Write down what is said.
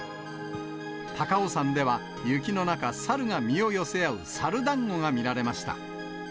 高尾山では、雪の中、サルが身を寄せ合うサル団子が見られました。